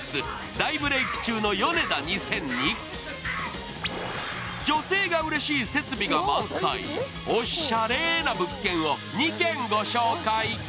大ブレーク中のヨネダ２０００に、女性がうれしい設備が満載、おっしゃれな物件を２軒ご紹介。